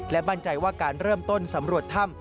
และบันใจว่าการเริ่มต้นสำรวจธรรม